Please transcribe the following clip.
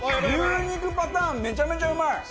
牛肉パターンめちゃめちゃうまい！